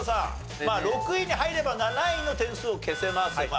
まあ６位に入れば７位の点数を消せます。